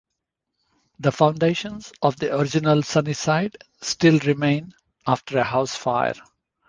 The foundations of the original "Sunnyside" still remain after a house fire.